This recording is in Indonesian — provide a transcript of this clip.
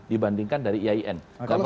dibandingkan dari iain